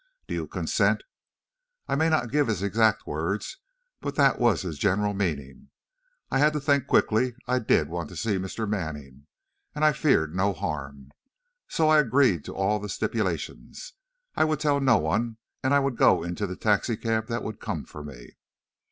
Do you consent?' I may not give his exact words, but that was his general meaning. I had to think quickly; I did want to see Mr. Manning, and I feared no harm. So I said I agreed to all the stipulations, I would tell no one, and I would go in the taxicab that would come for me."